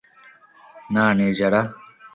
না, নির্জারা।